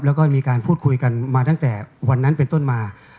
แล้วก็มีการพูดคุยกันมาตั้งแต่วันนั้นเป็นต้นมา